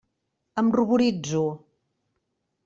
Em ruboritzo.